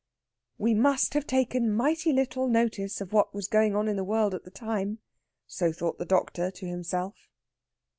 "We must have taken mighty little notice of what was going on in the world at the time," so thought the doctor to himself.